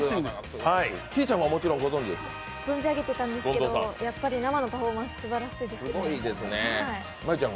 存じ上げてたんですけどやっぱり生のパフォーマンスすごいですね。